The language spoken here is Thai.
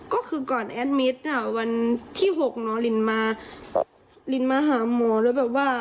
ก็คือก่อนแอดมิตรอ่ะวันที่หกน้องลินมาลินมาหาหมอแล้วแบบว่า